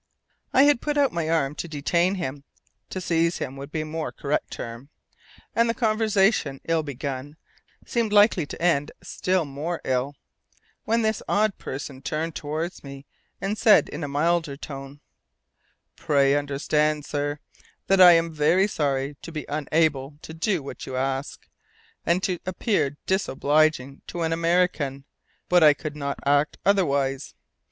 I had put out my arm to detain him to seize him would be a more correct term and the conversation, ill begun, seemed likely to end still more ill, when this odd person turned towards me and said in a milder tone, "Pray understand, sir, that I am very sorry to be unable to do what you ask, and to appear disobliging to an American. But I could not act otherwise.